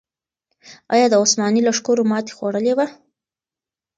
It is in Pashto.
آیا د عثماني لښکرو ماتې خوړلې وه؟